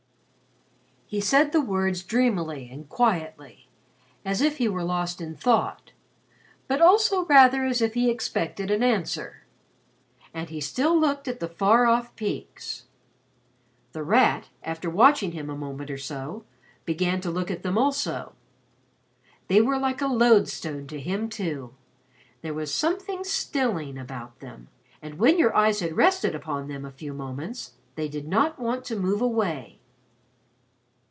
He said the words dreamily and quietly, as if he were lost in thought but also rather as if he expected an answer. And he still looked at the far off peaks. The Rat, after watching him a moment or so, began to look at them also. They were like a loadstone to him too. There was something stilling about them, and when your eyes had rested upon them a few moments they did not want to move away.